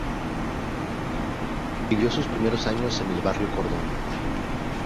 Vivió sus primeros años en el barrio Cordón.